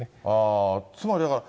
つまりだから、